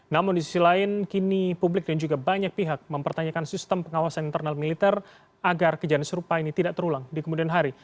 namun di sisi lain kini publik dan juga banyak pihak mempertanyakan sistem pengawasan internal militer agar kejadian serupa ini tidak terulang di kemudian hari